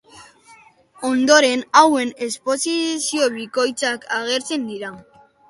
Ondoren hauen esposizio bikoitzak agertzen dira.